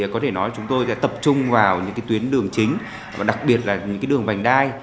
có thể nói chúng tôi sẽ tập trung vào những tuyến đường chính và đặc biệt là những đường vành đai